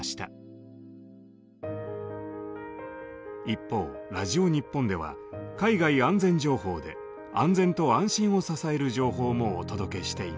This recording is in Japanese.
一方「ラジオ日本」では「海外安全情報」で安全と安心を支える情報もお届けしています。